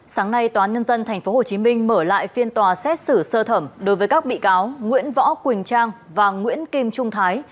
sáng nay tnthhm mở lại phiên tòa xét xử sơ thẩm đối với các bị cáo nguyễn võ quỳnh trang và nguyễn kim trung thái